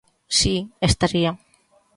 Si, estaría.